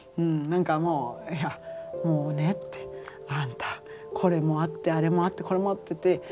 なんかもういやもうねってあんたこれもあってあれもあってこれもあってって